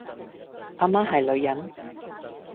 阿媽係女人